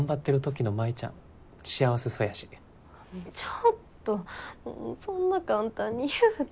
ちょっとそんな簡単に言うて。